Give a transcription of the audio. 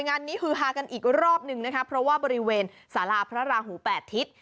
งานนี้ฮือฮากันอีกรอบนึงนะคะเพราะว่าบริเวณสาราพระราหูแปดทิศ